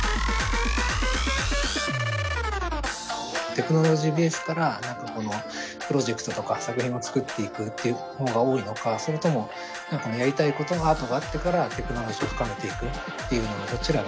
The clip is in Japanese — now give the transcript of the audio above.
テクノロジーベースから何かプロジェクトとか作品を作っていくっていうほうが多いのかそれともやりたいことアートがあってからテクノロジーを深めていくっていうのどちらが多いですかね？